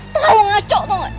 tahu ngaco tau gak